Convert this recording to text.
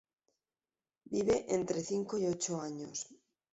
Vive entre cinco y ocho años.